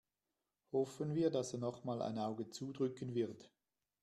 Hoffen wir, dass er nochmal ein Auge zudrücken wird.